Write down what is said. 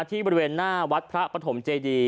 บริเวณหน้าวัดพระปฐมเจดี